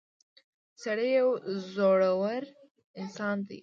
• سړی یو زړور انسان دی.